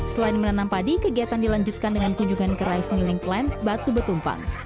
selain menanam padi kegiatan dilanjutkan dengan kunjungan kerais milik plant batu betumpang